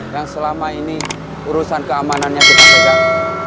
yang selama ini urusan keamanannya kita pegang